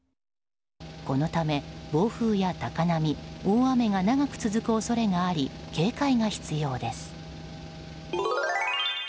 このため暴風や高波、大雨が長く続く恐れがあり警戒が必要です。